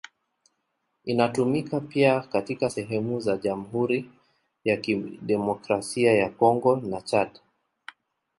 Inatumika pia katika sehemu za Jamhuri ya Kidemokrasia ya Kongo na Chad.